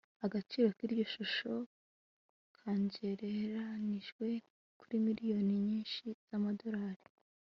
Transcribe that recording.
agaciro k'iryo shusho kagereranijwe kuri miliyoni nyinshi z'amadolari